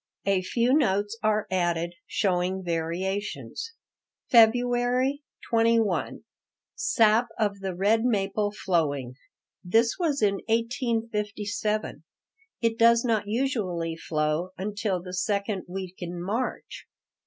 A few notes are added, showing variations. February 21 Sap of the red maple flowing. This was in 1857. It does not usually flow until the second week in March.